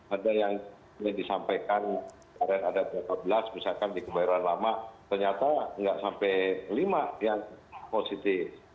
ada yang disampaikan ada berapa belas misalkan di kebayoran lama ternyata nggak sampai lima yang positif